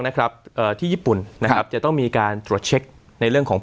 เอ่อที่ญี่ปุ่นนะครับจะต้องมีการตรวจเช็คในเรื่องของ